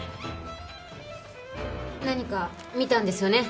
何か見たんですよね？